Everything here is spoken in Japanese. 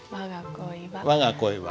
「わが恋は」。